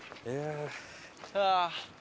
ああ！